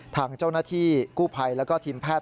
ทางเจ้าหน้าที่กู้ภัยแล้วก็ทีมแพทย์